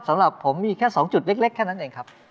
สำหรับผมมีแค่๒จุดเล็กแค่นั้นเองครับ